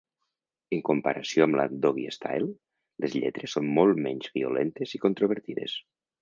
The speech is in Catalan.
En comparació amb Doggystyle, les lletres són molt menys violentes i controvertides.